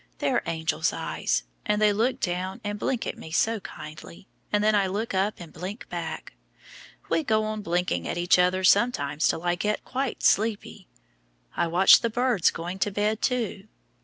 They're angels' eyes, and they look down and blink at me so kindly, and then I look up and blink back. We go on blinking at each other sometimes till I get quite sleepy. I watch the birds going to bed too.